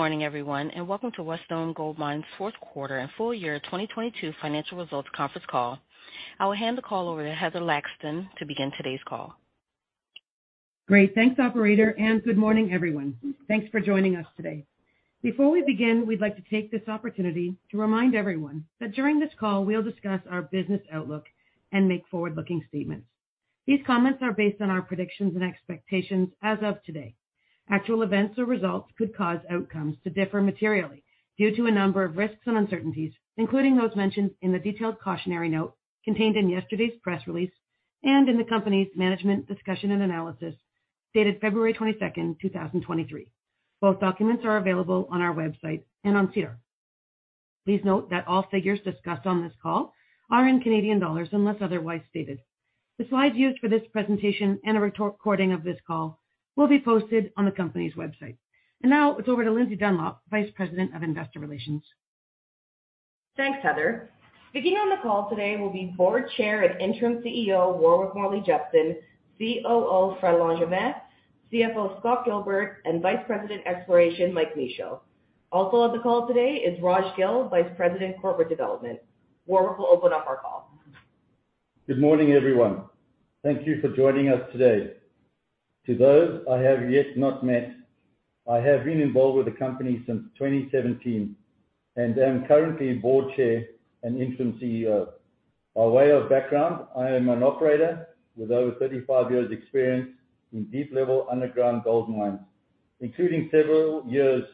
Morning everyone, welcome to Wesdome Gold Mines' fourth quarter and full year 2022 financial results conference call. I will hand the call over to Heather Laxton to begin today's call. Great. Thanks, operator. Good morning everyone. Thanks for joining us today. Before we begin, we'd like to take this opportunity to remind everyone that during this call we'll discuss our business outlook and make forward-looking statements. These comments are based on our predictions and expectations as of today. Actual events or results could cause outcomes to differ materially due to a number of risks and uncertainties, including those mentioned in the detailed cautionary note contained in yesterday's press release and in the company's management discussion and analysis dated February 22, 2023. Both documents are available on our website and on SEDAR. Please note that all figures discussed on this call are in Canadian dollars unless otherwise stated. The slides used for this presentation and a recording of this call will be posted on the company's website. Now it's over to Lindsay Dunlop, Vice President, Investor Relations. Thanks, Heather. Speaking on the call today will be board chair and interim CEO, Warwick Morley-Jepson, COO, Fred Langevin, CFO, Scott Gilbert, and Vice President Exploration, Mike Michaud. Also on the call today is Raj Gill, Vice President, Corporate Development. Warwick will open up our call. Good morning, everyone. Thank you for joining us today. To those I have yet not met, I have been involved with the company since 2017 and am currently Board Chair and Interim CEO. By way of background, I am an operator with over 35 years experience in deep-level underground gold mines, including several years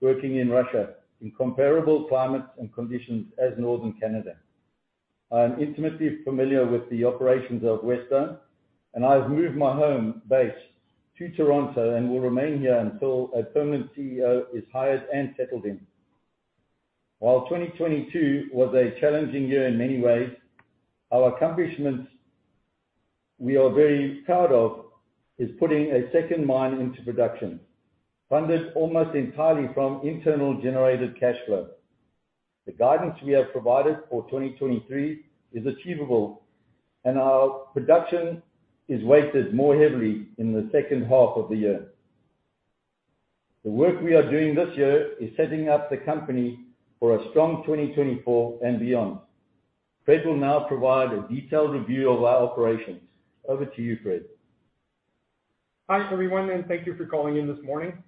working in Russia in comparable climates and conditions as northern Canada. I am intimately familiar with the operations of Wesdome, I've moved my home base to Toronto and will remain here until a permanent CEO is hired and settled in. While 2022 was a challenging year in many ways, our accomplishments we are very proud of is putting a second mine into production, funded almost entirely from internal generated cash flow. The guidance we have provided for 2023 is achievable, our production is weighted more heavily in the second half of the year. The work we are doing this year is setting up the company for a strong 2024 and beyond. Fred will now provide a detailed review of our operations. Over to you, Fred. Hi everyone, thank you for calling in this morning.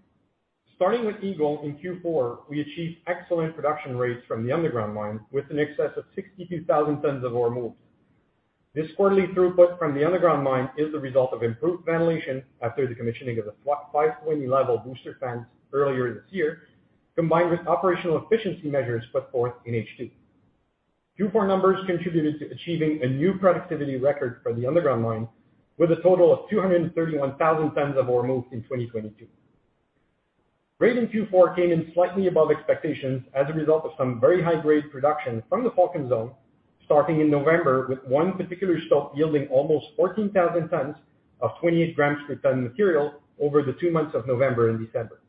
Starting with Eagle in Q4, we achieved excellent production rates from the underground mine with an excess of 62,000 tons of ore moved. This quarterly throughput from the underground mine is the result of improved ventilation after the commissioning of the five-level booster fans earlier this year, combined with operational efficiency measures put forth in HD. Q4 numbers contributed to achieving a new productivity record for the underground mine with a total of 231,000 tons of ore moved in 2022. Grade in Q4 came in slightly above expectations as a result of some very high-grade production from the Falcon Zone starting in November with one particular stope yielding almost 14,000 tons of 28 grams per ton material over the two months of November and December.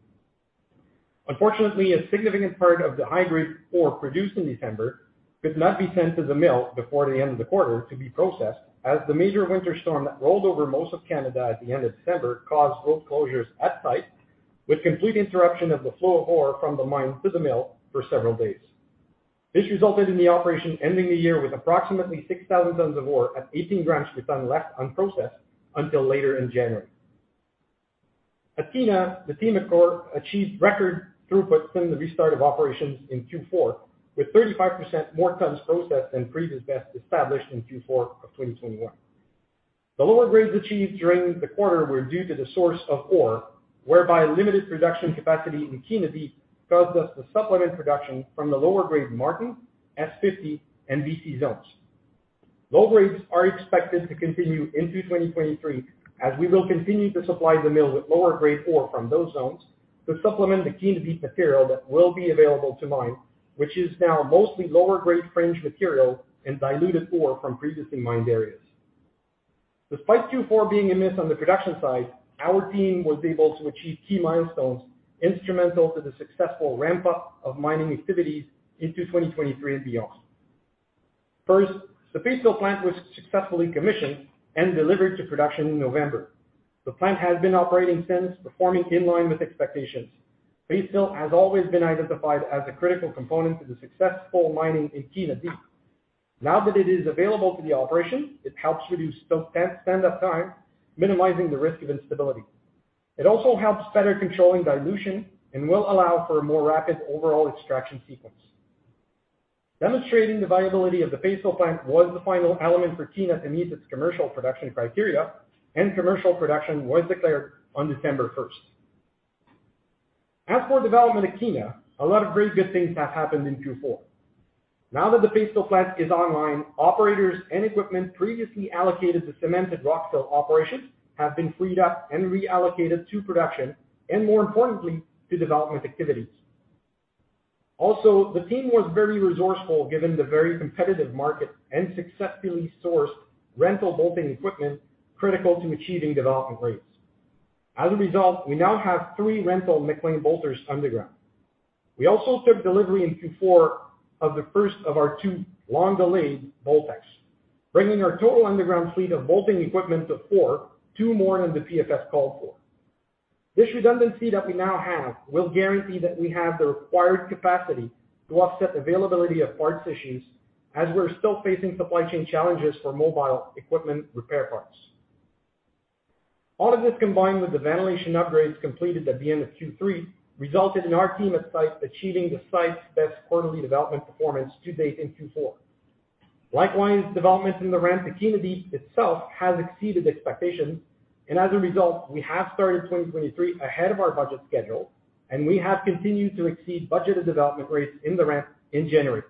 Unfortunately, a significant part of the high-grade ore produced in December could not be sent to the mill before the end of the quarter to be processed as the major winter storm that rolled over most of Canada at the end of December caused road closures at site with complete interruption of the flow of ore from the mine to the mill for several days. This resulted in the operation ending the year with approximately 6,000 tons of ore at 18 grams per ton left unprocessed until later in January. At Kiena, the team at core achieved record throughput from the restart of operations in Q4 with 35% more tons processed than previous best established in Q4 of 2021. The lower grades achieved during the quarter were due to the source of ore, whereby limited production capacity in Kiena Deep caused us to supplement production from the lower grade Martin, S50, and BC zones. Low grades are expected to continue into 2023 as we will continue to supply the mill with lower grade ore from those zones to supplement the Kiena Deep material that will be available to mine, which is now mostly lower grade fringe material and diluted ore from previously mined areas. Despite Q4 being a miss on the production side, our team was able to achieve key milestones instrumental to the successful ramp up of mining activities into 2023 and beyond. First, the paste fill plant was successfully commissioned and delivered to production in November. The plant has been operating since, performing in line with expectations. Paste fill has always been identified as a critical component to the successful mining in Kiena Deep. Now that it is available to the operation, it helps reduce stope stand-up time, minimizing the risk of instability. It also helps better controlling dilution and will allow for a more rapid overall extraction sequence. Demonstrating the viability of the paste fill plant was the final element for Kiena to meet its commercial production criteria and commercial production was declared on December 1st. As for development at Kiena, a lot of great good things have happened in Q4. Now that the paste fill plant is online, operators and equipment previously allocated to cemented rockfill operations have been freed up and reallocated to production and more importantly to development activities. The team was very resourceful given the very competitive market and successfully sourced rental bolting equipment critical to achieving development rates. As a result, we now have three rental MacLean bolters underground. We also took delivery in Q4 of the first of our two long-delayed Boltecs. Bringing our total underground fleet of bolting equipment to four, two more than the PFS called for. This redundancy that we now have will guarantee that we have the required capacity to offset availability of parts issues as we're still facing supply chain challenges for mobile equipment repair parts. All of this combined with the ventilation upgrades completed at the end of Q3, resulted in our team at site achieving the site's best quarterly development performance to date in Q4. Likewise, developments in the ramp to Kiena itself has exceeded expectations. As a result, we have started 2023 ahead of our budget schedule, and we have continued to exceed budgeted development rates in the ramp in January.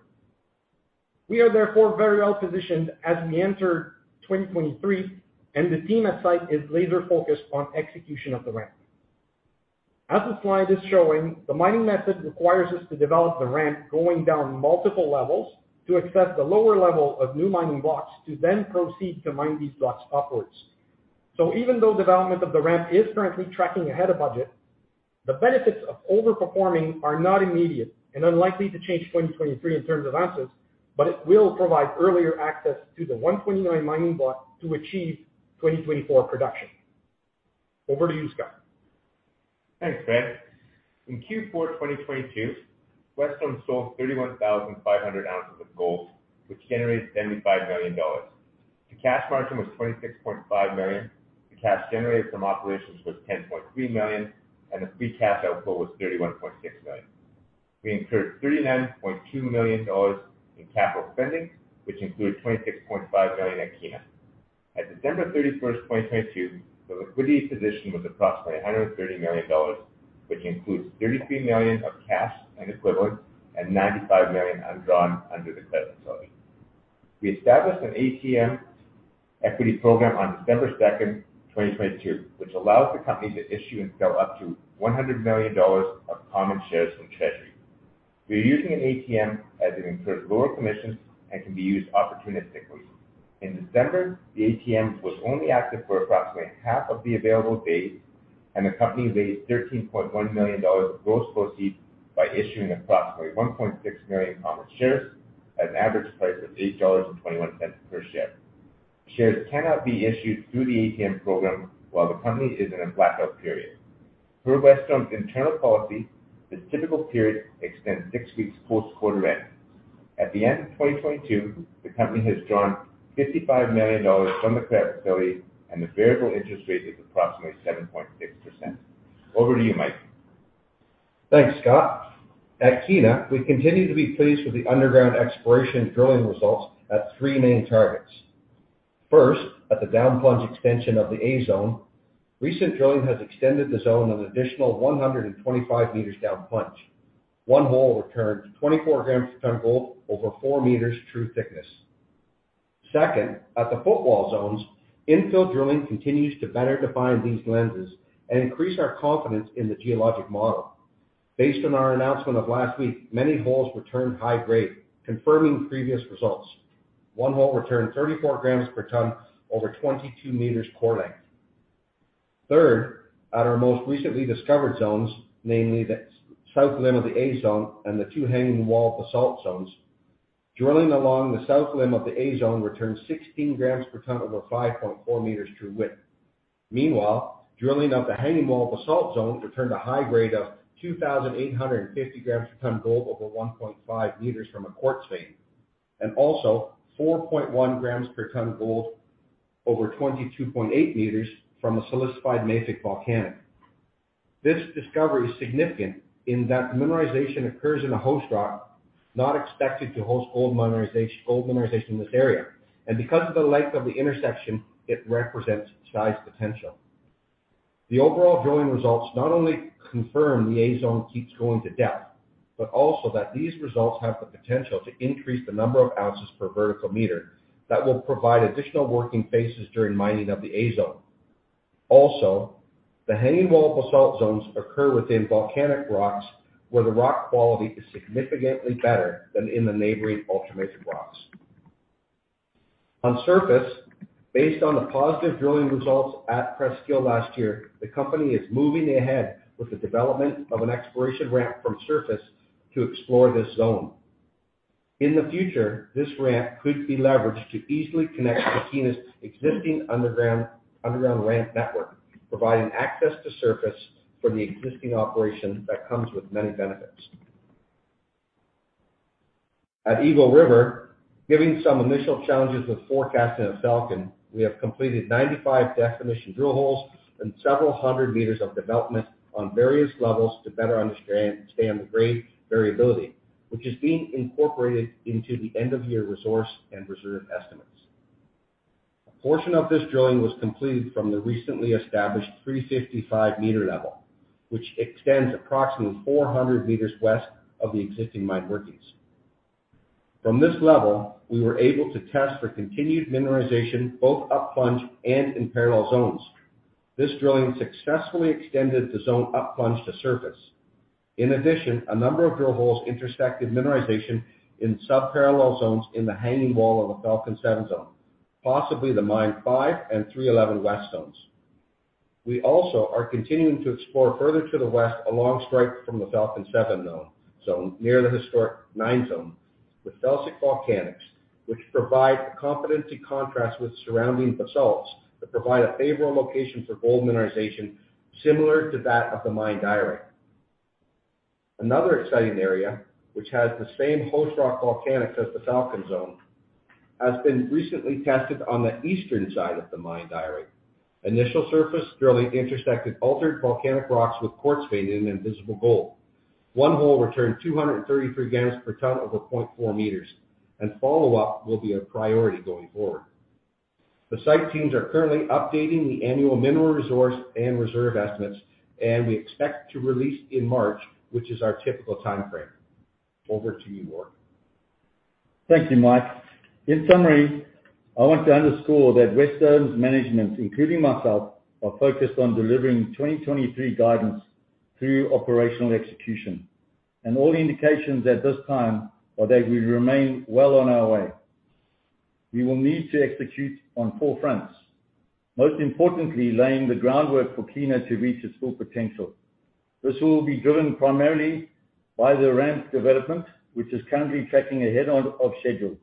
We are therefore very well positioned as we enter 2023, and the team at site is laser focused on execution of the ramp. As the slide is showing, the mining method requires us to develop the ramp going down multiple levels to accept the lower level of new mining blocks, to then proceed to mine these blocks upwards. Even though development of the ramp is currently tracking ahead of budget, the benefits of overperforming are not immediate and unlikely to change 2023 in terms of ounces, but it will provide earlier access to the 129 mining block to achieve 2024 production. Over to you, Scott. Thanks, Fred. In Q4 2022, Wesdome sold 31,500 ounces of gold, which generated 75 million dollars. The cash margin was 26.5 million. The cash generated from operations was 10.3 million, and the free cash outflow was 31.6 million. We incurred 39.2 million dollars in capital spending, which includes 26.5 million at Kiena. At December 31, 2022, the liquidity position was approximately 130 million dollars, which includes 33 million of cash and equivalents and 95 million undrawn under the credit facility. We established an ATM equity program on December 2, 2022, which allows the company to issue and sell up to 100 million dollars of common shares from treasury. We are using an ATM as it incurs lower commissions and can be used opportunistically. In December, the ATM was only active for approximately half of the available days, the company raised 13.1 million dollars of gross proceeds by issuing approximately 1.6 million common shares at an average price of 8.21 dollars per share. Shares cannot be issued through the ATM program while the company is in a blackout period. Per Wesdome's internal policy, the typical period extends 6 weeks post quarter end. At the end of 2022, the company has drawn 55 million dollars from the credit facility and the variable interest rate is approximately 7.6%. Over to you, Mike. Thanks, Scott. At Kiena, we continue to be pleased with the underground exploration drilling results at three main targets. First, at the down plunge extension of the A zone, recent drilling has extended the zone an additional 125 meters down plunge. 1 hole returned 24 grams per tonne gold over four meters true thickness. Second, at the footwall zones, infill drilling continues to better define these lenses and increase our confidence in the geologic model. Based on our announcement of last week, many holes returned high grade, confirming previous results. One hole returned 34 grams per tonne over 22 meters core length. Third, at our most recently discovered zones, namely the south limb of the A zone and the 2 hanging wall basalt zones, drilling along the south limb of the A zone returned 16 grams per tonne over 5.4 meters true width. Meanwhile, drilling of the hanging wall basalt zone returned a high grade of 2,850 grams per tonne gold over 1.5 meters from a quartz vein, and also 4.1 grams per tonne gold over 22.8 meters from a silicified mafic volcanic. This discovery is significant in that mineralization occurs in a host rock not expected to host gold mineralization in this area. Because of the length of the intersection, it represents size potential. The overall drilling results not only confirm the A zone keeps going to depth, but also that these results have the potential to increase the number of ounces per vertical meter that will provide additional working faces during mining of the A zone. Also, the hanging wall basalt zones occur within volcanic rocks, where the rock quality is significantly better than in the neighboring ultramafic rocks. On surface, based on the positive drilling results at Crestkill last year, the company is moving ahead with the development of an exploration ramp from surface to explore this zone. In the future, this ramp could be leveraged to easily connect to Kiena's existing underground ramp network, providing access to surface for the existing operation that comes with many benefits. At Eagle River, given some initial challenges with forecasting at Falcon, we have completed 95 definition drill holes and several hundred meters of development on various levels to better understand the grade variability, which is being incorporated into the end-of-year resource and reserve estimates. A portion of this drilling was completed from the recently established 355 meter level, which extends approximately 400 meters west of the existing mine workings. From this level, we were able to test for continued mineralization both up plunge and in parallel zones. This drilling successfully extended the zone up plunge to surface. In addition, a number of drill holes intersected mineralization in sub-parallel zones in the hanging wall of the Falcon Seven Zone, possibly the Mine 5 and 311 West zones. We also are continuing to explore further to the west along strike from the Falcon Seven Zone, zone near the historic 9 Zone with felsic volcanics, which provide competency contrast with surrounding basalts that provide a favorable location for gold mineralization similar to that of the Mai Nyerere. Another exciting area which has the same host rock volcanics as the Falcon Zone, has been recently tested on the eastern side of the Mai Nyerere. Initial surface drilling intersected altered volcanic rocks with quartz veining and visible gold. One hole returned 233 grams per tonne over 0.4 meters. Follow-up will be a priority going forward. The site teams are currently updating the annual mineral resource and reserve estimates. We expect to release in March, which is our typical timeframe. Over to you, Warwick Thank you, Mike. In summary, I want to underscore that Wesdome's management, including myself, are focused on delivering 2023 guidance through operational execution. All indications at this time are that we remain well on our way. We will need to execute on four fronts, most importantly, laying the groundwork for Kiena to reach its full potential. This will be driven primarily by the ramp development, which is currently tracking ahead of schedule.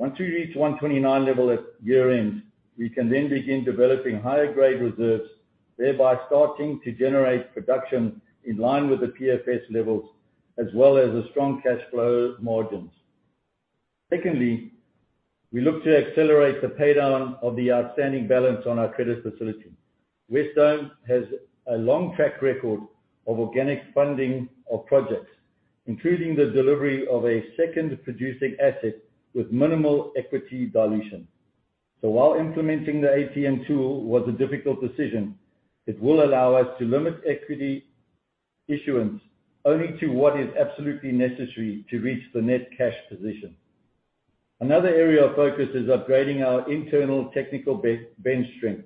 Once we reach 129 level at year-end, we can then begin developing higher grade reserves, thereby starting to generate production in line with the PFS levels as well as a strong cash flow margins. Secondly, we look to accelerate the pay down of the outstanding balance on our credit facility. Wesdome has a long track record of organic funding of projects, including the delivery of a second producing asset with minimal equity dilution. While implementing the ATM tool was a difficult decision, it will allow us to limit equity issuance only to what is absolutely necessary to reach the net cash position. Another area of focus is upgrading our internal technical bench strength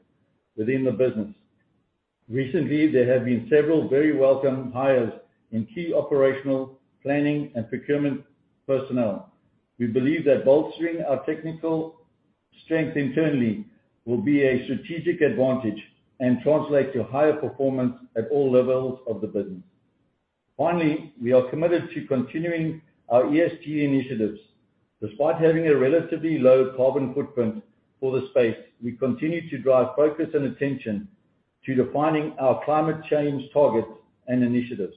within the business. Recently, there have been several very welcome hires in key operational planning and procurement personnel. We believe that bolstering our technical strength internally will be a strategic advantage and translate to higher performance at all levels of the business. We are committed to continuing our ESG initiatives. Despite having a relatively low carbon footprint for the space, we continue to drive focus and attention to defining our climate change targets and initiatives.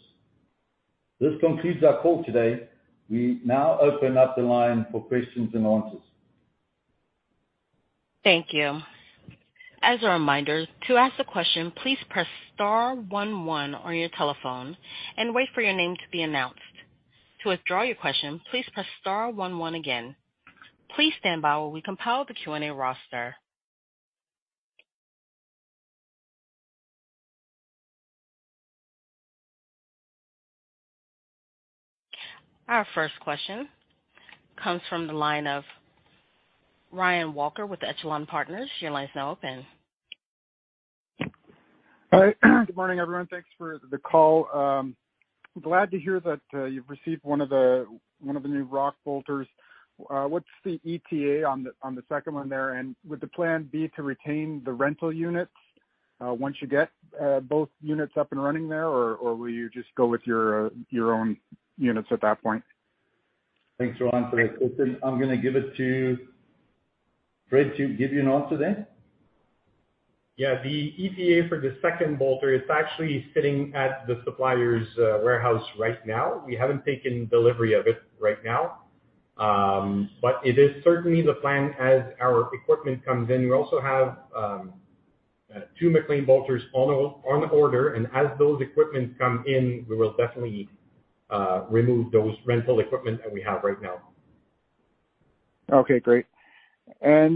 This concludes our call today. We now open up the line for questions and answers. Thank you. As a reminder, to ask a question, please press star one one on your telephone and wait for your name to be announced. To withdraw your question, please press star one one again. Please stand by while we compile the Q&A roster. Our first question comes from the line of Ryan Walker with Echelon Partners. Your line is now open. Hi. Good morning, everyone. Thanks for the call. Glad to hear that you've received one of the new rock bolters. What's the ETA on the second one there, and would the plan be to retain the rental units once you get both units up and running there? Or will you just go with your own units at that point? Thanks, Ryan, for that question. I'm gonna give it to Fred to give you an answer there. Yeah. The ETA for the second bolter is actually sitting at the supplier's warehouse right now. We haven't taken delivery of it right now. It is certainly the plan as our equipment comes in. We also have two MacLean bolters on order. As those equipments come in, we will definitely remove those rental equipment that we have right now. Okay, great. You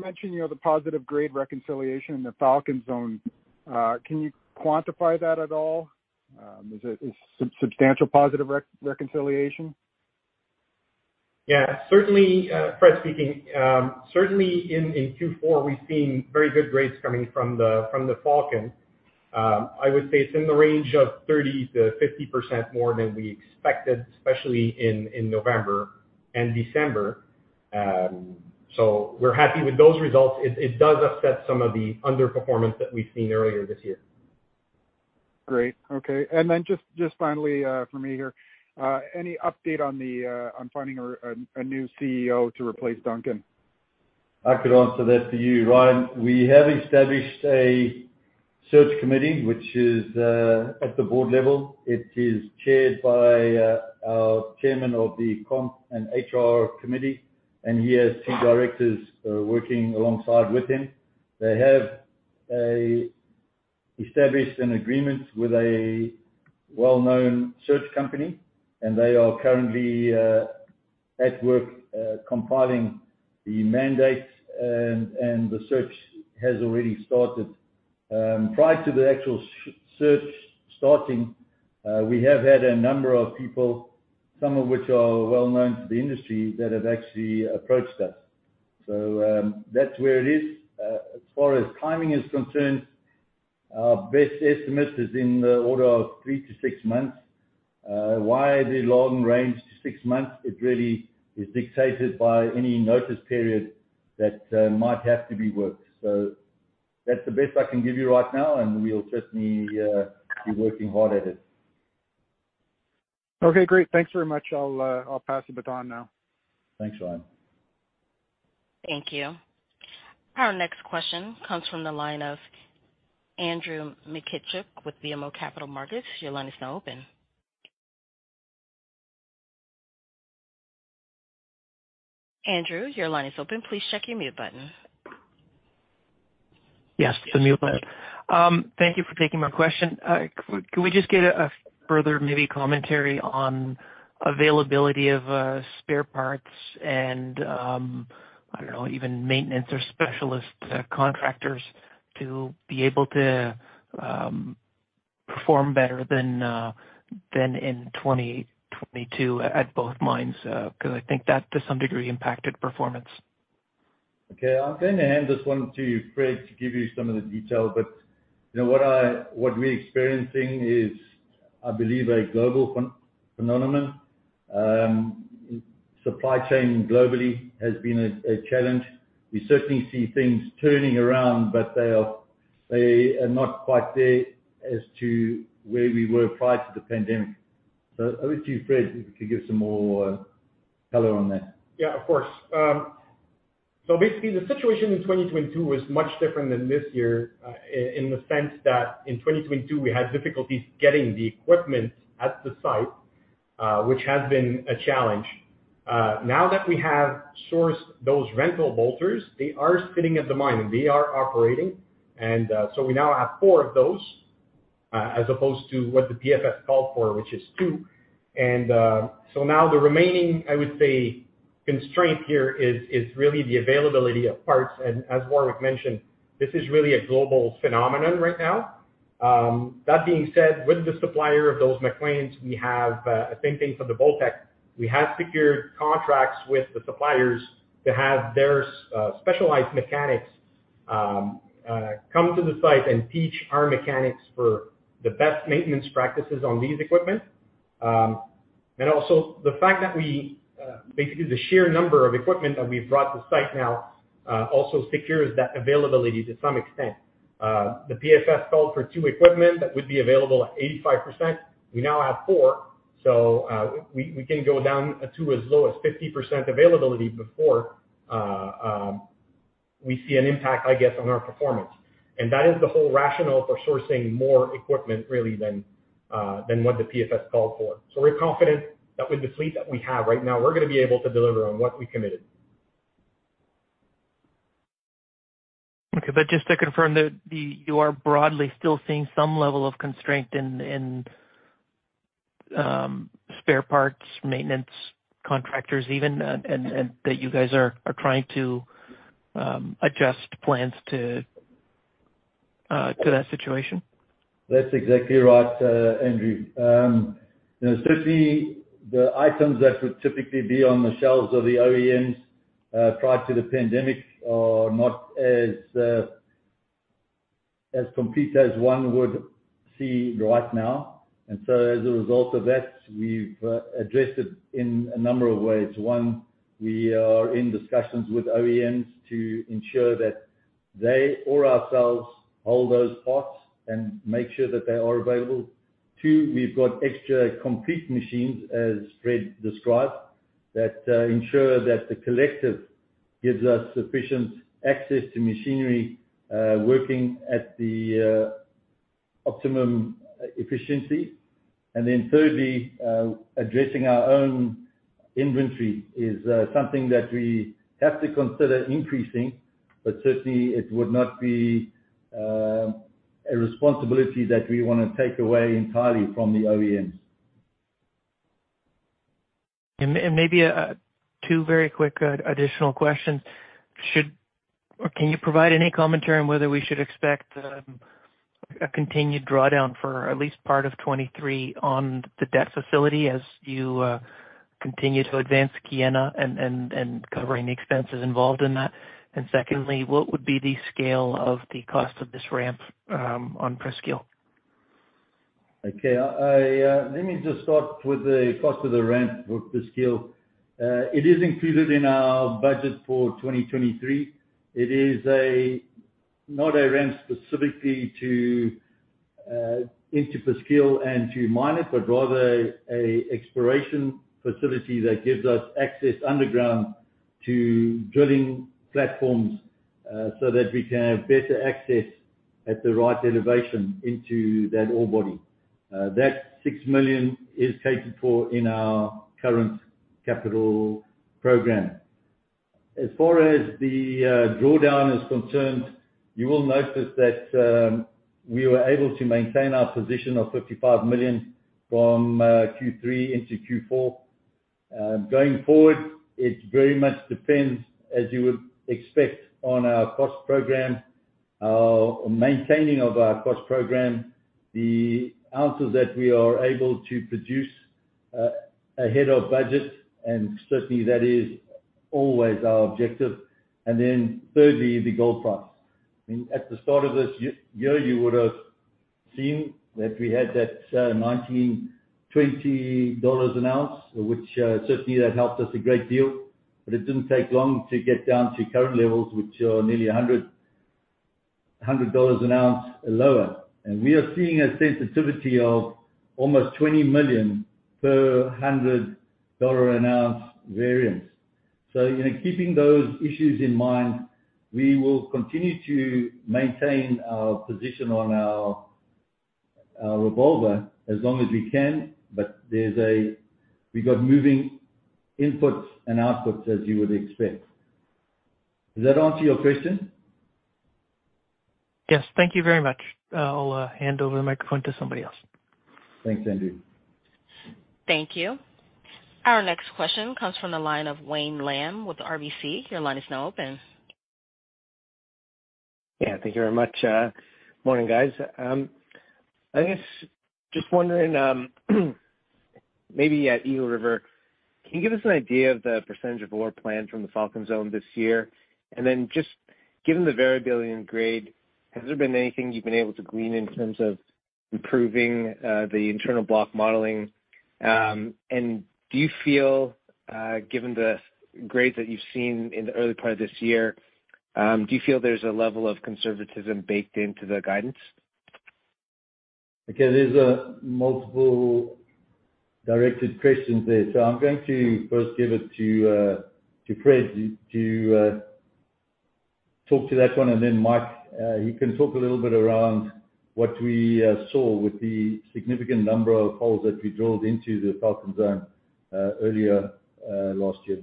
mentioned, you know, the positive grade reconciliation in the Falcon Zone. Can you quantify that at all? Is it substantial positive reconciliation? Yeah, certainly, Fred speaking. Certainly in Q4, we've seen very good grades coming from the Falcon. I would say it's in the range of 30%-50% more than we expected, especially in November and December. We're happy with those results. It does offset some of the underperformance that we've seen earlier this year. Great. Okay. Then just finally, from me here, any update on the, on finding a new CEO to replace Duncan? I could answer that for you, Ryan. We have established a search committee which is at the board level. It is chaired by our chairman of the Comp and HR committee, he has 2 directors working alongside with him. They have established an agreement with a well-known search company, they are currently at work compiling the mandate and the search has already started. Prior to the actual search starting, we have had a number of people, some of which are well-known to the industry, that have actually approached us. That's where it is. As far as timing is concerned, our best estimate is in the order of three to six months. Why the long range to six months? It really is dictated by any notice period that might have to be worked. That's the best I can give you right now, and we'll certainly, be working hard at it. Okay, great. Thanks very much. I'll pass the baton now. Thanks, Ryan. Thank you. Our next question comes from the line of Andrew Mikitchook with BMO Capital Markets. Your line is now open. Andrew, your line is open. Please check your mute button. Yes, the mute button. Thank you for taking my question. Could we just get a further maybe commentary on availability of spare parts and, I don't know, even maintenance or specialist contractors to be able to perform better than than in 2022 at both mines, because I think that, to some degree, impacted performance? Okay. I'm gonna hand this one to Fred to give you some of the detail, but, you know, what we're experiencing is, I believe, a global phenomenon. Supply chain globally has been a challenge. We certainly see things turning around, but they are not quite there as to where we were prior to the pandemic. Over to you, Fred, if you could give some more color on that. Yeah, of course. Basically, the situation in 2022 was much different than this year in the sense that in 2022, we had difficulties getting the equipment at the site, which has been a challenge. Now that we have sourced those rental bolters, they are sitting at the mine and they are operating. We now have four of those, as opposed to what the PFS called for, which is two. Now the remaining, I would say, constraint here is really the availability of parts. As Warwick mentioned, this is really a global phenomenon right now. That being said, with the supplier of those MacAans, we have, same thing for the Voltex. We have secured contracts with the suppliers to have their specialized mechanics come to the site and teach our mechanics for the best maintenance practices on these equipment. Also the fact that we basically the sheer number of equipment that we've brought to site now also secures that availability to some extent. The PFS called for two equipment that would be available at 85%. We now have four, so we can go down to as low as 50% availability before we see an impact, I guess, on our performance. That is the whole rationale for sourcing more equipment, really, than what the PFS called for. We're confident that with the fleet that we have right now, we're gonna be able to deliver on what we committed. Okay. Just to confirm that you are broadly still seeing some level of constraint in spare parts, maintenance contractors even, and that you guys are trying to adjust plans to that situation. That's exactly right, Andrew. You know, certainly the items that would typically be on the shelves of the OEMs prior to the pandemic are not as complete as one would see right now. As a result of that, we've addressed it in a number of ways. One, we are in discussions with OEMs to ensure that they or ourselves hold those parts and make sure that they are available. Two, we've got extra complete machines, as Fred described, that ensure that the collective gives us sufficient access to machinery working at the optimum efficiency. Then thirdly, addressing our own inventory is something that we have to consider increasing, but certainly it would not be a responsibility that we wanna take away entirely from the OEMs. Maybe, two very quick, additional questions. Should or can you provide any commentary on whether we should expect a continued drawdown for at least part of 2023 on the debt facility as you continue to advance Kiena and covering the expenses involved in that? Secondly, what would be the scale of the cost of this ramp on Presqu'ile? Okay. I, let me just start with the cost of the ramp for Presqu'ile. It is included in our budget for 2023. It is a, not a ramp specifically to, into Presqu'ile and to mine it, but rather an exploration facility that gives us access underground to drilling platforms, so that we can have better access at the right elevation into that ore body. That 6 million is catered for in our current capital program. As far as the, drawdown is concerned, you will notice that, we were able to maintain our position of 55 million from, Q3 into Q4. Going forward, it very much depends, as you would expect on our cost program, maintaining of our cost program, the ounces that we are able to produce ahead of budget, and certainly that is always our objective. Thirdly, the gold price. I mean, at the start of this year, you would have seen that we had that 19, 20 dollars an ounce, which certainly that helped us a great deal, but it didn't take long to get down to current levels, which are nearly 100 dollars an ounce lower. We are seeing a sensitivity of almost 20 million per 100 dollar an ounce variance. You know, keeping those issues in mind, we will continue to maintain our position on our revolver as long as we can, but there's a. We've got moving inputs and outputs, as you would expect. Does that answer your question? Yes. Thank you very much. I'll hand over the microphone to somebody else. Thanks, Andrew. Thank you. Our next question comes from the line of Wayne Lam with RBC. Your line is now open. Yeah, thank you very much. Morning, guys. I guess just wondering, maybe at Eagle River, can you give us an idea of the percentage of ore planned from the Falcon Zone this year? Just given the variability in grade, has there been anything you've been able to glean in terms of improving the internal block modeling? Do you feel, given the grades that you've seen in the early part of this year, do you feel there's a level of conservatism baked into the guidance? Okay, there's multiple directed questions there. I'm going to first give it to Fred to talk to that one, and then Mike, he can talk a little bit around what we saw with the significant number of holes that we drilled into the Falcon Zone earlier last year.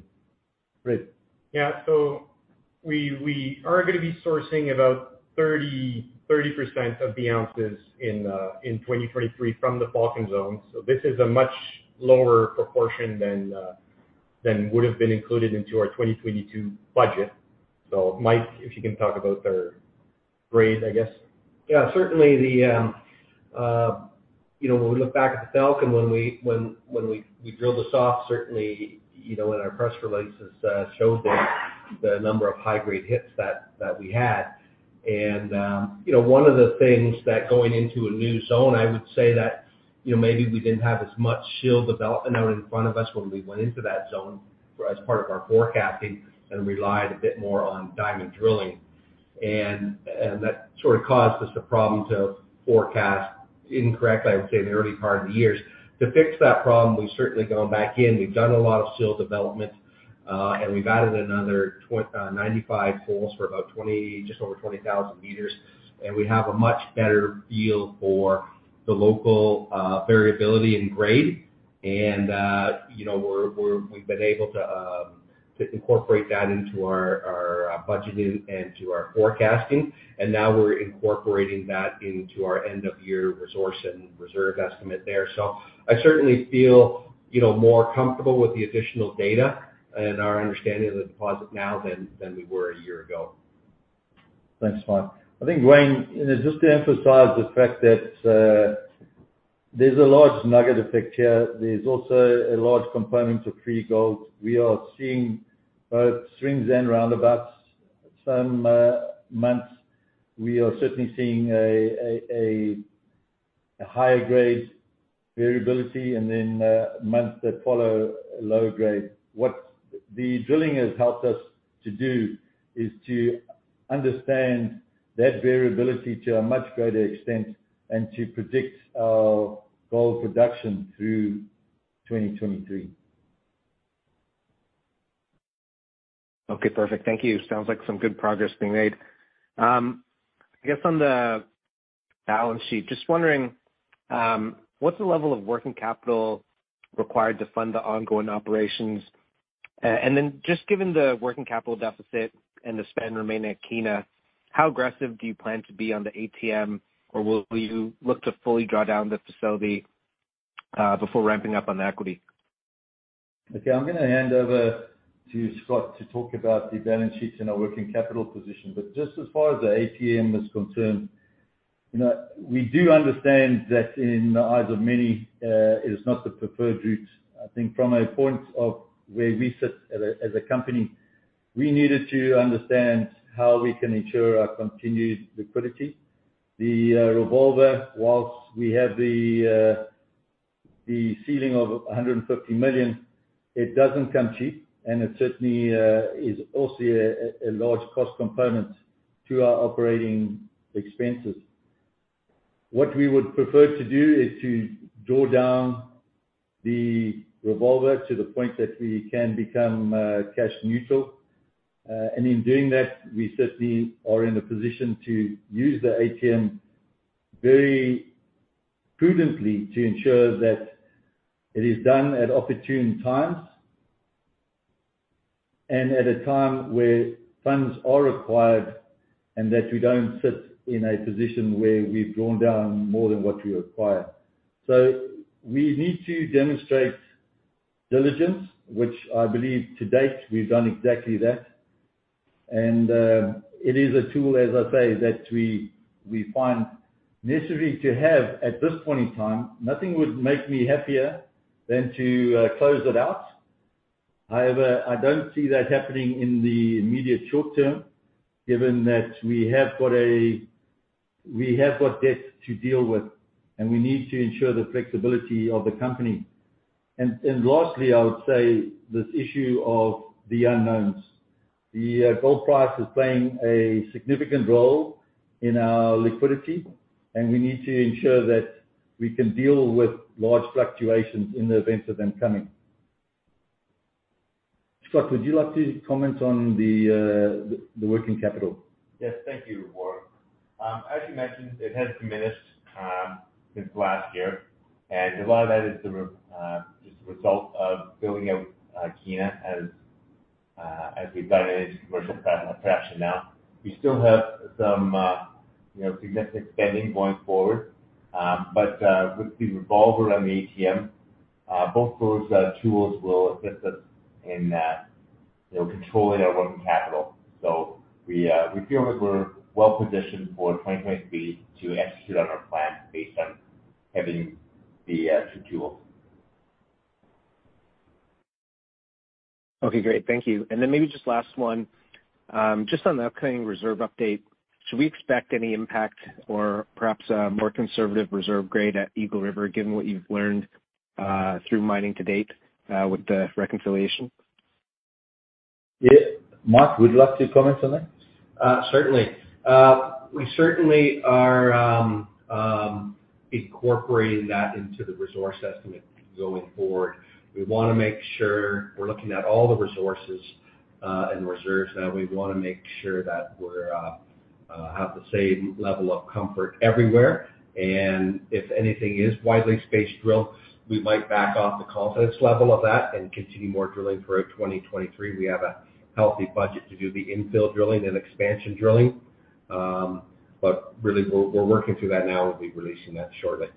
Fred. Yeah. We are gonna be sourcing about 30% of the ounces in 2023 from the Falcon Zone. This is a much lower proportion than would have been included into our 2022 budget. Mike, if you can talk about our grade, I guess. Yeah, certainly the, you know, when we look back at the Falcon, when we drilled this off, certainly, you know, in our press releases, showed that the number of high-grade hits that we had. You know, one of the things that going into a new zone, I would say that, you know, maybe we didn't have as much shrinkage development out in front of us when we went into that zone as part of our forecasting and relied a bit more on diamond drilling. That sort of caused us a problem to forecast incorrectly, I would say, in the early part of the years. To fix that problem, we've certainly gone back in. We've done a lot of shrinkage development, and we've added another 95 holes for about just over 20,000 meters, and we have a much better feel for the local variability in grade. you know, we've been able to incorporate that into our budgeting and to our forecasting, and now we're incorporating that into our end-of-year resource and reserve estimate there. I certainly feel, you know, more comfortable with the additional data and our understanding of the deposit now than we were a year ago. Thanks, Mike. I think, Wayne, you know, just to emphasize the fact that there's a large nugget effect here. There's also a large component of free gold. We are seeing both swings and roundabouts. Some months we are certainly seeing a higher grade variability and then months that follow lower grade. What the drilling has helped us to do is to understand that variability to a much greater extent and to predict our gold production through 2023. Okay, perfect. Thank you. Sounds like some good progress being made. I guess on the balance sheet, just wondering, what's the level of working capital required to fund the ongoing operations? Just given the working capital deficit and the spend remaining at Kiena, how aggressive do you plan to be on the ATM, or will you look to fully draw down the facility, before ramping up on equity? Okay, I'm gonna hand over to Scott to talk about the balance sheets and our working capital position. Just as far as the ATM is concerned, you know, we do understand that in the eyes of many, it is not the preferred route. I think from a point of where we sit as a company, we needed to understand how we can ensure our continued liquidity. The revolver, while we have the ceiling of 150 million, it doesn't come cheap, and it certainly is also a large cost component to our operating expenses. What we would prefer to do is to draw down the revolver to the point that we can become cash neutral. In doing that, we certainly are in a position to use the ATM very prudently to ensure that it is done at opportune times and at a time where funds are required, and that we don't sit in a position where we've drawn down more than what we require. We need to demonstrate diligence, which I believe to date we've done exactly that. It is a tool, as I say, that we find necessary to have at this point in time. Nothing would make me happier than to close it out. However, I don't see that happening in the immediate short term, given that we have got debt to deal with, and we need to ensure the flexibility of the company. Lastly, I would say this issue of the unknowns. The gold price is playing a significant role in our liquidity, and we need to ensure that we can deal with large fluctuations in the event of them coming. Scott, would you like to comment on the working capital? Yes. Thank you, Warwick. As you mentioned, it has diminished since last year. A lot of that is just the result of building out Kiena as as we've done in commercial traction now. We still have some, you know, significant spending going forward. With the revolver on the ATM, both those tools will assist us in, you know, controlling our working capital. We feel that we're well positioned for 2023 to execute on our plans based on having the two tools. Okay, great. Thank you. Maybe just last one. Just on the upcoming reserve update, should we expect any impact or perhaps a more conservative reserve grade at Eagle River given what you've learned through mining to date with the reconciliation? Yeah, Wayne, would you like to comment on that? Certainly. We certainly are incorporating that into the resource estimate going forward. We wanna make sure we're looking at all the resources and reserves. Now we wanna make sure that we're have the same level of comfort everywhere. If anything is widely spaced drilled, we might back off the confidence level of that and continue more drilling throughout 2023. We have a healthy budget to do the infill drilling and expansion drilling. Really, we're working through that now. We'll be releasing that shortly.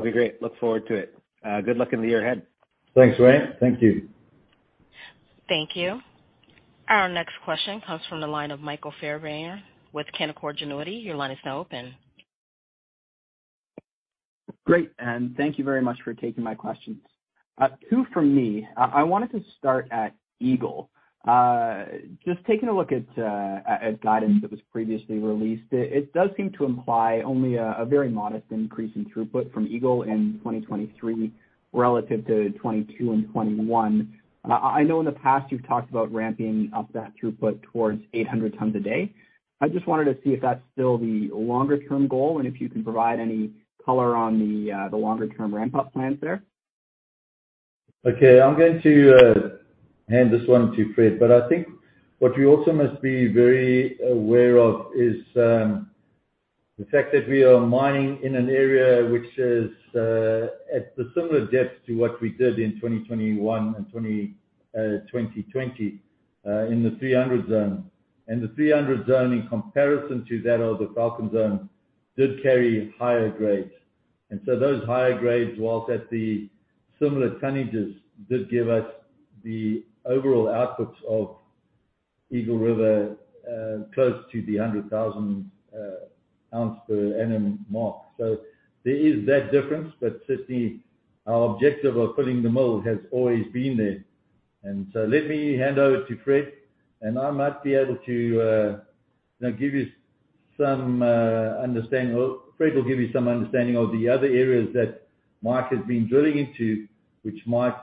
Great. Look forward to it. Good luck in the year ahead. Thanks, Wayne. Thank you. Thank you. Our next question comes from the line of Michael Fairbairn with Canaccord Genuity. Your line is now open. Great, thank you very much for taking my questions. Two from me. I wanted to start at Eagle. Just taking a look at guidance that was previously released, it does seem to imply only a very modest increase in throughput from Eagle in 2023 relative to 2022 and 2021. I know in the past you've talked about ramping up that throughput towards 800 tons a day. I just wanted to see if that's still the longer term goal, and if you can provide any color on the longer term ramp-up plans there. Okay. I'm going to hand this one to Fred. I think what we also must be very aware of is the fact that we are mining in an area which is at the similar depth to what we did in 2021 and 2020 in the 300 zone. The 300 zone, in comparison to that of the Falcon Zone, did carry higher grades. Those higher grades, whilst at the similar tonnages, did give us the overall outputs of Eagle River, close to the 100,000 ounce per annum mark. There is that difference, but certainly our objective of filling the mill has always been there. Let me hand over to Fred, and I might be able to, you know, give you some understanding. Well, Fred will give you some understanding of the other areas that Mark has been drilling into, which might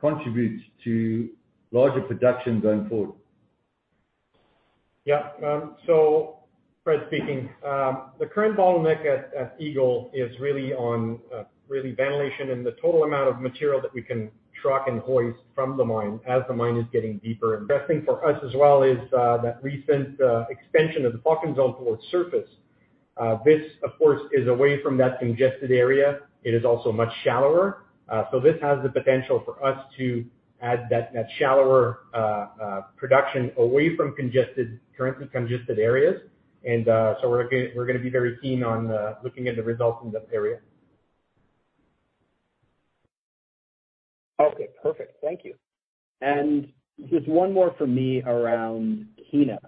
contribute to larger production going forward. Yeah. Fred speaking. The current bottleneck at Eagle is really on really ventilation and the total amount of material that we can truck and hoist from the mine as the mine is getting deeper. Interesting for us as well is that recent expansion of the Falcon Zone towards surface. This of course is away from that congested area. It is also much shallower. This has the potential for us to add that shallower production away from congested, currently congested areas. We're gonna be very keen on looking at the results in that area. Okay. Perfect. Thank you. Just one more for me around Kiena.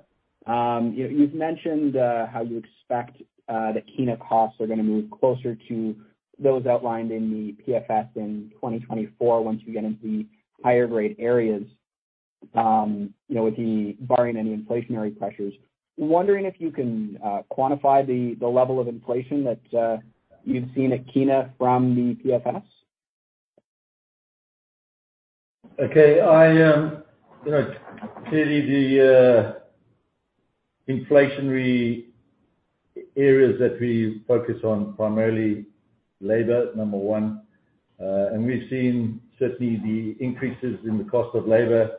You've mentioned how you expect the Kiena costs are gonna move closer to those outlined in the PFS in 2024 once you get into the higher grade areas, you know, with the barring any inflationary pressures. Wondering if you can quantify the level of inflation that you've seen at Kiena from the PFS? Okay. I, you know, clearly the inflationary areas that we focus on, primarily labor, number one, we've seen certainly the increases in the cost of labor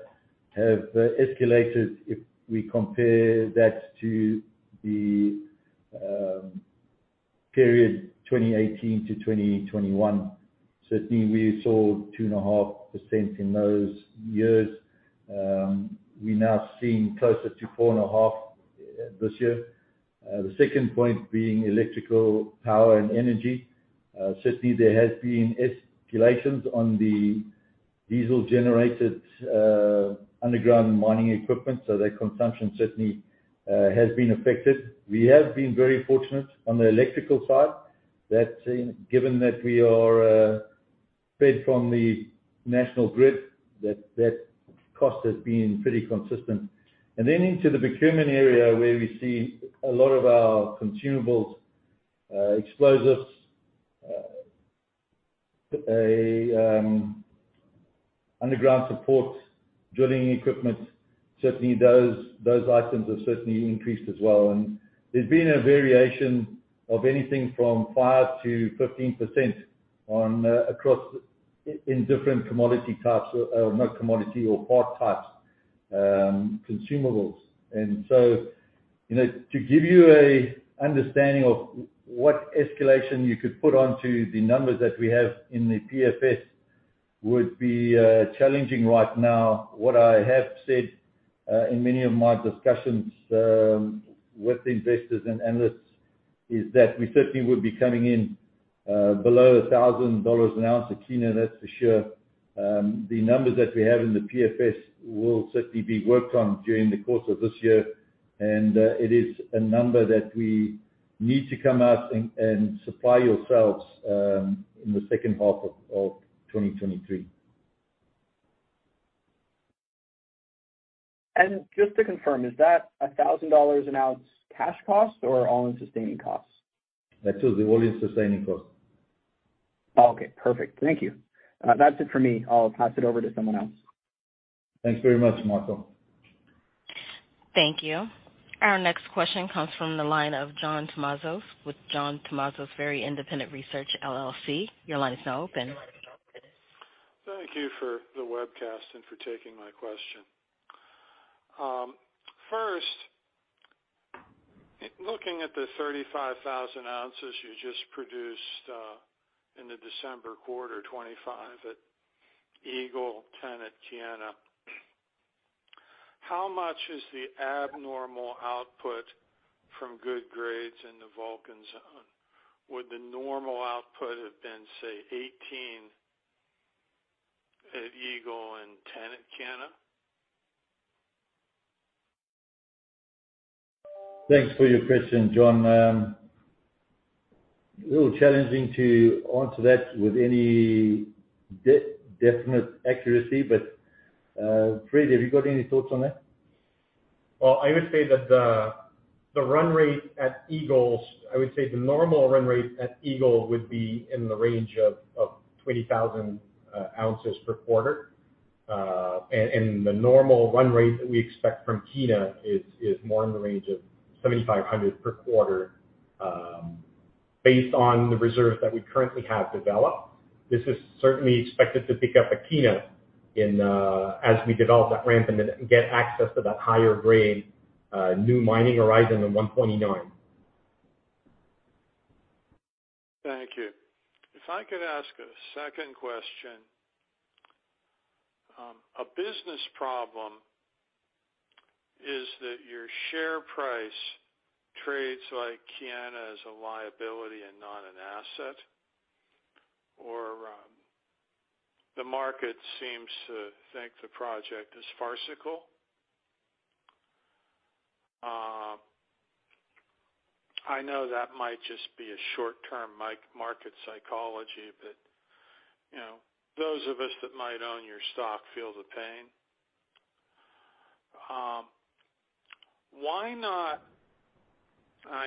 have escalated if we compare that to the period 2018 to 2021. Certainly, we saw 2.5% in those years. We now seen closer to 4.5% this year. The second point being electrical power and energy. Certainly there has been escalations on Diesel generated underground mining equipment, so their consumption certainly has been affected. We have been very fortunate on the electrical side that given that we are fed from the national grid, that cost has been pretty consistent. Then into the procurement area where we see a lot of our consumables, explosives, underground support drilling equipment. Certainly those items have certainly increased as well. There's been a variation of anything from 5%-15% on across in different commodity types or not commodity or part types, consumables. So, you know, to give you a understanding of what escalation you could put onto the numbers that we have in the PFS would be challenging right now. What I have said in many of my discussions with investors and analysts is that we certainly would be coming in below 1,000 dollars an ounce at Kiena, that's for sure. The numbers that we have in the PFS will certainly be worked on during the course of this year, and it is a number that we need to come out and supply yourselves in the second half of 2023. Just to confirm, is that 1,000 dollars an ounce cash cost or all-in sustaining costs? That's with all-in sustaining costs. Okay. Perfect. Thank you. That's it for me. I'll pass it over to someone else. Thanks very much, Michael. Thank you. Our next question comes from the line of John Tumazos with John Tumazos Very Independent Research, LLC. Your line is now open. Thank you for the webcast and for taking my question. First, looking at the 35,000 ounces you just produced in the December quarter, 25 at Eagle, 10 at Kiena. How much is the abnormal output from good grades in the Falcon Zone? Would the normal output have been, say, 18 at Eagle and 10 at Kiena? Thanks for your question, John. A little challenging to answer that with any definite accuracy, but Fred, have you got any thoughts on that? Well, I would say the normal run rate at Eagle would be in the range of 20,000 ounces per quarter. The normal run rate that we expect from Kiena is more in the range of 7,500 per quarter, based on the reserves that we currently have developed. This is certainly expected to pick up at Kiena in as we develop that ramp and get access to that higher grade, new mining horizon at 129. Thank you. If I could ask a second question. A business problem is that your share price trades like Kiena is a liability and not an asset, or, the market seems to think the project is farcical. I know that might just be a short-term market psychology, but, you know, those of us that might own your stock feel the pain. I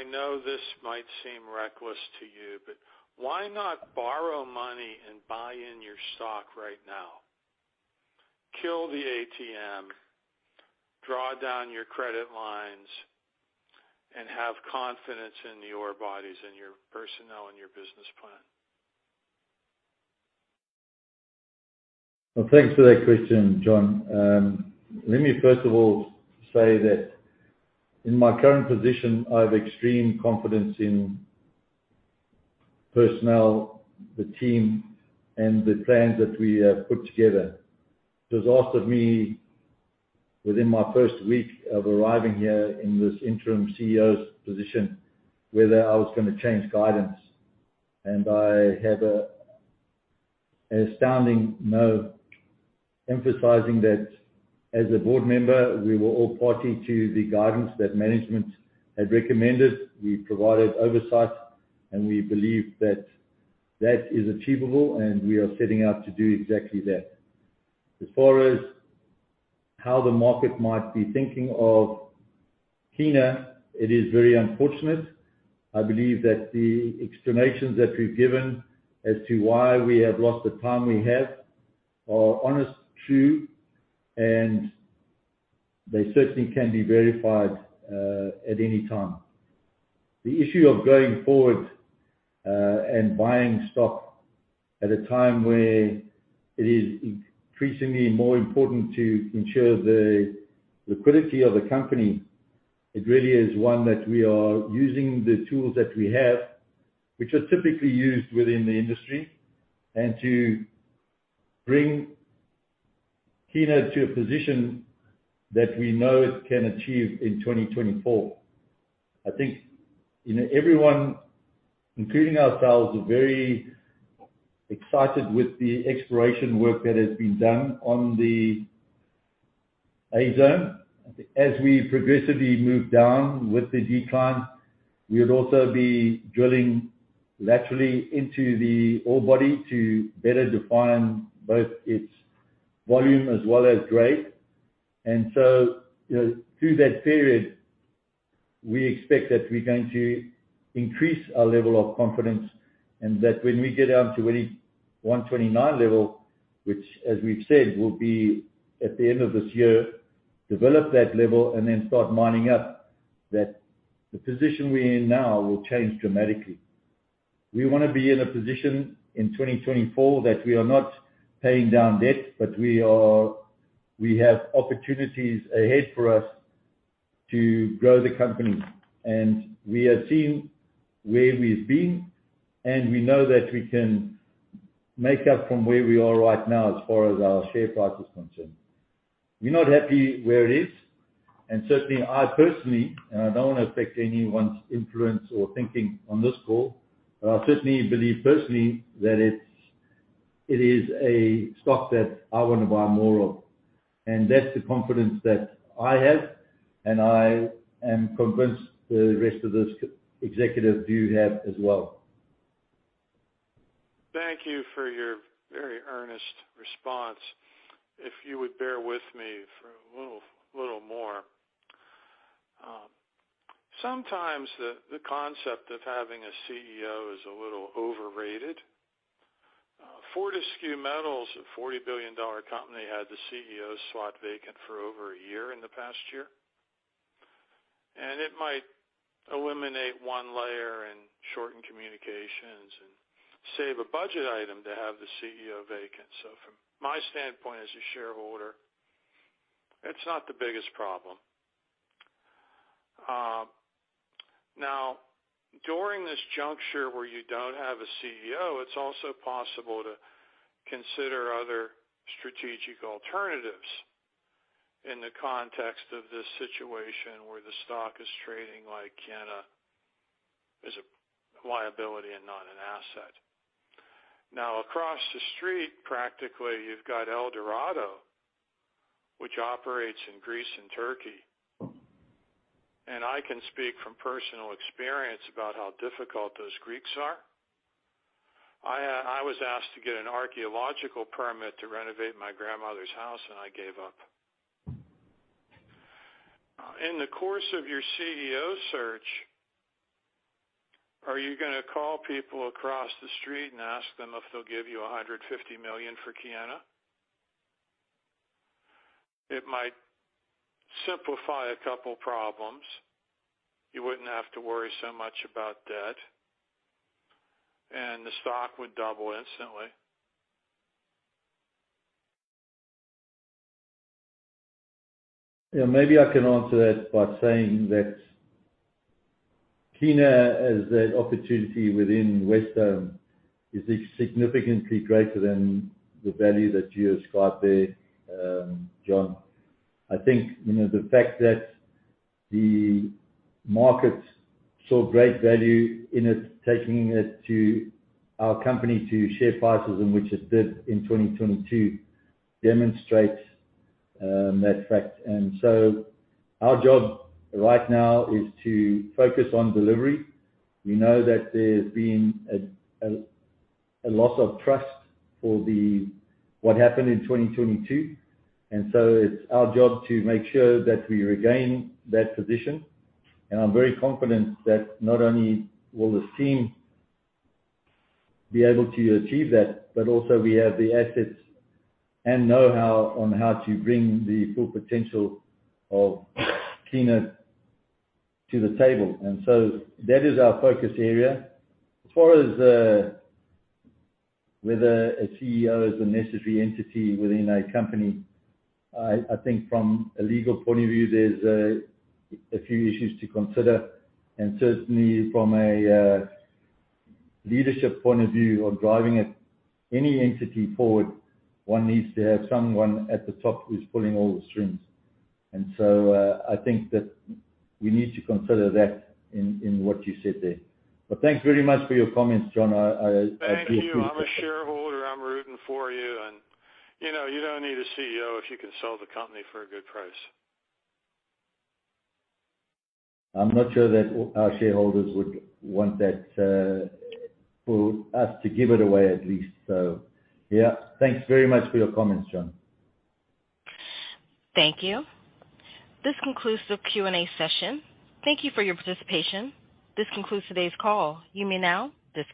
know this might seem reckless to you, but why not borrow money and buy in your stock right now, kill the ATM, draw down your credit lines, and have confidence in your bodies and your personnel and your business plan? Well, thanks for that question, John. Let me first of all say that in my current position, I have extreme confidence in personnel, the team, and the plans that we have put together. It was asked of me within my first week of arriving here in this interim CEO's position, whether I was gonna change guidance, and I have a, an astounding no, emphasizing that as a board member, we were all party to the guidance that management had recommended. We provided oversight, we believe that that is achievable, and we are setting out to do exactly that. As far as how the market might be thinking of Kiena, it is very unfortunate. I believe that the explanations that we've given as to why we have lost the time we have are honest, true, and they certainly can be verified at any time. The issue of going forward, and buying stock at a time where it is increasingly more important to ensure the liquidity of the company, it really is one that we are using the tools that we have, which are typically used within the industry, and to bring Kiena to a position that we know it can achieve in 2024. I think, you know, everyone, including ourselves, are very excited with the exploration work that has been done on the A zone. As we progressively move down with the decline, we would also be drilling laterally into the ore body to better define both its volume as well as grade. You know, through that period, we expect that we're going to increase our level of confidence and that when we get down to really 129 level, which as we've said, will be at the end of this year, develop that level and then start mining up, that the position we're in now will change dramatically. We wanna be in a position in 2024 that we are not paying down debt, but we have opportunities ahead for us to grow the company. We have seen where we've been, and we know that we can make up from where we are right now as far as our share price is concerned. We're not happy where it is. Certainly, I personally, and I don't want to affect anyone's influence or thinking on this call, but I certainly believe personally that it is a stock that I want to buy more of. That's the confidence that I have, and I am convinced the rest of this executive do have as well. Thank you for your very earnest response. You would bear with me for a little more. Sometimes the concept of having a CEO is a little overrated. Fortescue Metals, a 40 billion dollar company, had the CEO slot vacant for over a year in the past year. It might eliminate one layer and shorten communications and save a budget item to have the CEO vacant. From my standpoint as a shareholder, it's not the biggest problem. Now during this juncture where you don't have a CEO, it's also possible to consider other strategic alternatives in the context of this situation where the stock is trading like, kinda is a liability and not an asset. Across the street, practically, you've got Eldorado, which operates in Greece and Turkey. I can speak from personal experience about how difficult those Greeks are. I was asked to get an archeological permit to renovate my grandmother's house, and I gave up. In the course of your CEO search, are you gonna call people across the street and ask them if they'll give you 150 million for Kiena? It might simplify a couple problems. You wouldn't have to worry so much about debt, and the stock would double instantly. Yeah, maybe I can answer that by saying that Kiena as an opportunity within Wesdome is significantly greater than the value that you described there, John. I think, you know, the fact that the market saw great value in it, taking it to our company to share prices, and which it did in 2022, demonstrates that fact. Our job right now is to focus on delivery. We know that there's been a loss of trust what happened in 2022. It's our job to make sure that we regain that position. I'm very confident that not only will the team be able to achieve that, but also we have the assets and know-how on how to bring the full potential of Kiena to the table. That is our focus area. As far as, whether a CEO is a necessary entity within a company, I think from a legal point of view, there's a few issues to consider. Certainly from a leadership point of view or driving it any entity forward, one needs to have someone at the top who's pulling all the strings. I think that we need to consider that in what you said there. Thanks very much for your comments, John. I appreciate it. Thank you. I'm a shareholder, I'm rooting for you. You know, you don't need a CEO if you can sell the company for a good price. I'm not sure that our shareholders would want that, for us to give it away, at least. Yeah, thanks very much for your comments, John Tumazos. Thank you. This concludes the Q&A session. Thank you for your participation. This concludes today's call. You may now disconnect.